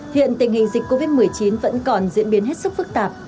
hiện tình hình dịch covid một mươi chín vẫn còn diễn biến hết sức phức tạp